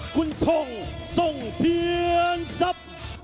คุณท่องส่งเพียรสับ